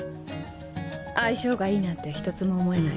相性がいいなんて一つも思えない。